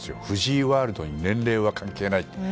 藤井ワールドに年齢は関係ない。